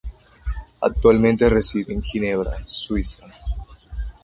Actualmente reside en Ginebra, Suiza.